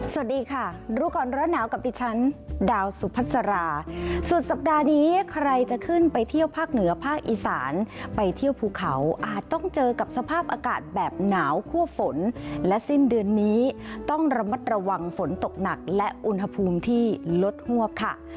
สวัสดีค่ะรู้ก่อนร้อนหนาวกับดิฉันดาวสุพัสราสุดสัปดาห์นี้ใครจะขึ้นไปเที่ยวภาคเหนือภาคอีสานไปเที่ยวภูเขาอาจต้องเจอกับสภาพอากาศแบบหนาวคั่วฝนและสิ้นเดือนนี้ต้องระมัดระวังฝนตกหนักและอุณหภูมิที่ลดหวบค่ะ